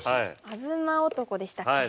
東男でしたっけ。